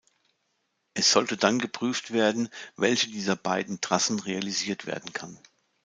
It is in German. Es sollte dann geprüft werden, welche dieser beiden Trassen realisiert werden kann.